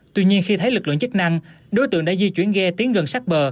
tuy nhiên khi thấy lực lượng chức năng đối tượng đã di chuyển ghe tiến gần sát bờ